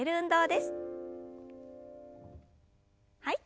はい。